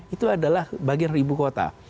itu adalah bagian ibu kota